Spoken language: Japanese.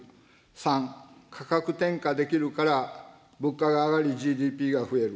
３、価格転嫁できるから物価が上がりＧＤＰが増える。